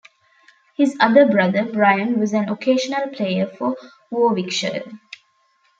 His other brother, Bryan, was an occasional player for Warwickshire.